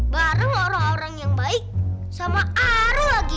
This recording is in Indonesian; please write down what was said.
bareng orang orang yang baik sama aru lagi